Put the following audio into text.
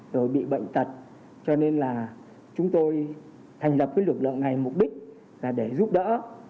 rồi bị bệnh tật cho nên là chúng tôi thành lập cái lực lượng này mục đích là để giúp đỡ